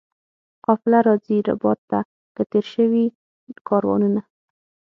قافله راځي ربات ته که تېر سوي کاروانونه؟